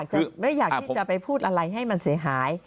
จะไม่อยากที่จะไปพูดอะไรให้มันเสียหาย